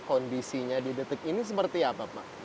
kondisinya di detik ini seperti apa pak